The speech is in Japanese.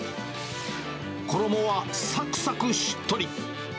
衣はさくさく、しっとり。